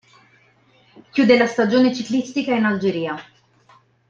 Chiude la stagione ciclistica in Algeria.